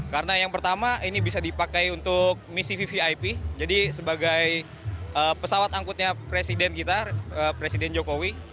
karena yang pertama ini bisa dipakai untuk misi vvip jadi sebagai pesawat angkutnya presiden kita presiden jokowi